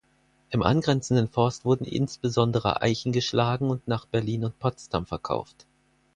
Im angrenzenden Forst wurden insbesondere Eichen geschlagen und nach Berlin und Potsdam verkauft.